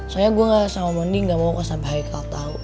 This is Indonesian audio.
soalnya gue ga sama mondi ga mau kusampe hari kalo tau